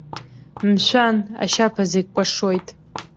Мшәан, ашьаԥа зегь кәашоит.